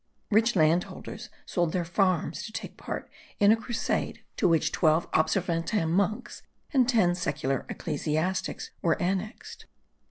Rich landholders sold their farms, to take part in a crusade, to which twelve Observantin monks, and ten secular ecclesiastics were annexed.